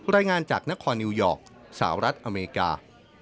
รายงานจากนครนิวยอร์กสหรัฐอเมริกา